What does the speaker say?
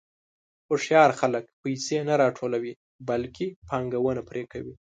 هوښیار خلک پیسې نه راټولوي، بلکې پانګونه پرې کوي.